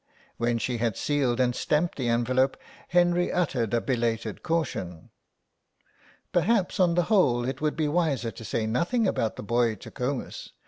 When she had sealed and stamped the envelope Henry uttered a belated caution. "Perhaps on the whole it would be wiser to say nothing about the boy to Comus.